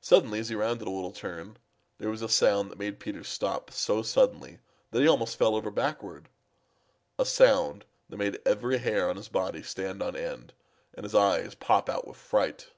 Suddenly as he rounded a little turn, there was a sound that made Peter stop so suddenly that he almost fell over backward a sound that made every hair on his body stand on end and his eyes pop out with fright.